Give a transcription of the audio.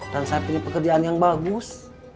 dan saya punya pekerjaan yang bagus